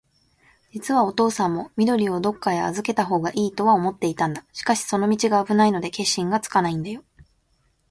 じつはおとうさんも、緑をどっかへあずけたほうがいいとは思っていたんだ。しかし、その道があぶないので、決心がつかないんだよ。